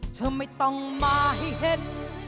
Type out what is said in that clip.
เธอไม่ต้องมาให้เห็น